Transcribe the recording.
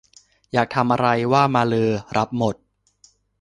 อยากทำอะไรว่ามาเลอ รับหมด